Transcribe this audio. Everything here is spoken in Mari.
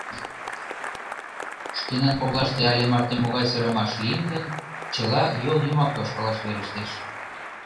— Шкенан коклаште але марте могай сырымаш лийын гын, чыла йол йымак тошкалаш верештеш.